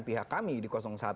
pihak kami di satu